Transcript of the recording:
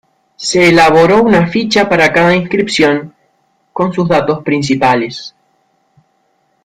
Se elaboró una ficha para cada inscripción, con sus datos principales.